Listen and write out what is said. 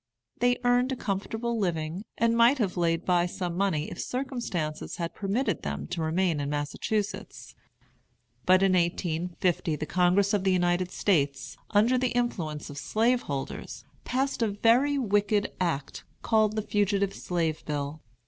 They earned a comfortable living, and might have laid by some money if circumstances had permitted them to remain in Massachusetts. But in 1850 the Congress of the United States, under the influence of slaveholders, passed a very wicked act called the Fugitive Slave Bill.